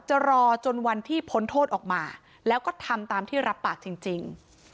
รอจนวันที่พ้นโทษออกมาแล้วก็ทำตามที่รับปากจริง